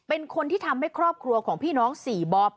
เป็นคนที่ทำให้ครอบครัวของพี่น้อง๔บอบ